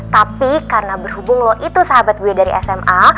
tapi karena berhubung loh itu sahabat gue dari sma